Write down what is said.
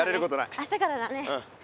明日からだね。